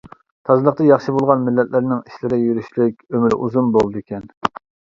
تازىلىقتا ياخشى بولغان مىللەتلەرنىڭ ئىشلىرى يۈرۈشلۈك، ئۆمرى ئۇزۇن بولىدىكەن.